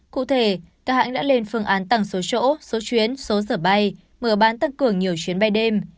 cụ thể các hãng đã lên phương án tăng số chỗ số chuyến số giờ bay mở bán tăng cường nhiều chuyến bay đêm